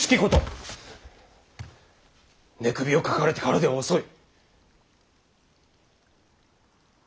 寝首をかかれてからでは遅い。